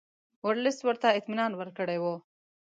ورلسټ ورته اطمینان ورکړی وو.